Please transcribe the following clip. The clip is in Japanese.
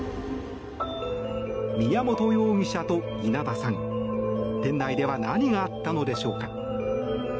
宮本容疑者と稲田さん店内では何があったのでしょうか。